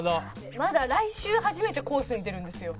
まだ来週初めてコースに出るんですよ。